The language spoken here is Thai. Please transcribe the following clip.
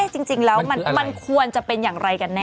จริงแล้วมันควรจะเป็นอย่างไรกันแน่